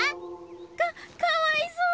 かっかわいそう！